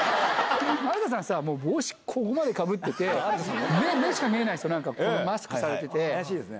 有田さん、帽子、ここまでかぶってて、目しか見えないですよ、怪しいですね。